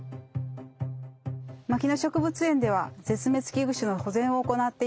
牧野植物園では絶滅危惧種の保全を行っています。